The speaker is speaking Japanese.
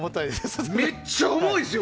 めっちゃ重いですよ！